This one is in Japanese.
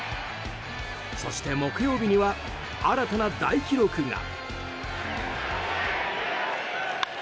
そして、木曜日には新たな大記録が。